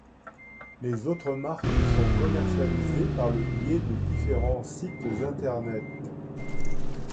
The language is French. Les autres marques sont commercialisées par le biais de différents sites internet.